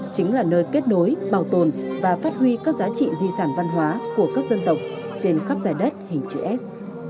chính là nơi kết nối bảo tồn và phát huy các giá trị di sản văn hóa của các dân tộc trên khắp giải đất hình chữ s